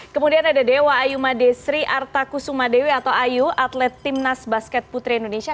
kemudian ada dewa ayu madesri artakusumadewi atau ayu atlet timnas basket putri indonesia